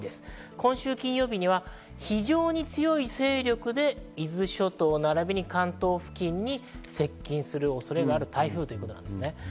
今週金曜日には非常に強い勢力で伊豆諸島並びに関東付近に接近する恐れがある台風ということです。